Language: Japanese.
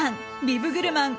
ビブグルマン